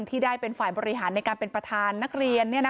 ที่ได้เป็นฝ่ายบริหารในการเป็นประธานนักเรียน